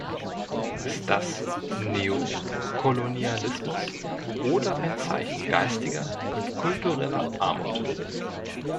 Ist das Neokolonialismus oder ein Zeichen geistiger und kultureller Armut?